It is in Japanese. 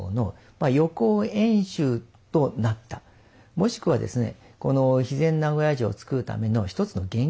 もしくはですね